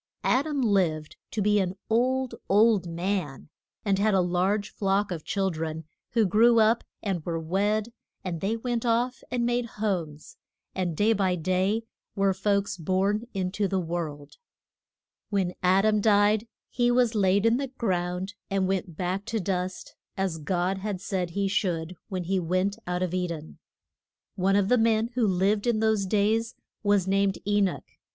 Ad am lived to be an old, old man, and had a large flock of chil dren, who grew up and were wed, and they went off and made homes, and day by day were folks born in to the world. When Ad am died he was laid in the ground and went back to dust, as God had said he should when he went out of E den. One of the men who lived in those days was named E noch.